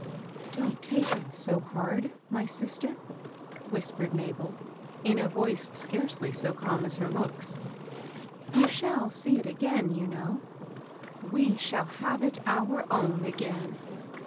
" Don't take it so hard, my sister," whispered Mabel, in a voice scarcely so calm as her looks ;" we shall see it again, you ki; iow, — we shall have it OUT own again."